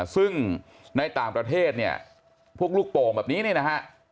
ซึ่งในต่างประเทศเนี่ยพวกลูกโป่งแบบนี้เนี่ยนะฮะ